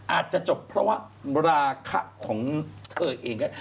อาจจะจบเพราะว่าราคาของเธอเองก็